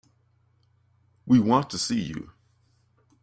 We want to see you.